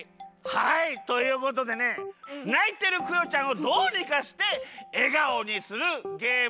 はいということでねないてるクヨちゃんをどうにかしてえがおにするゲームでございます。